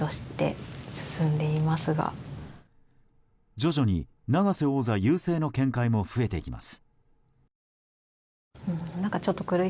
徐々に永瀬王座優勢の見解も増えていきます。